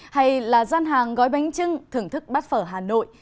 hay là gian hàng gói bánh trưng thưởng thức bát phở hà nội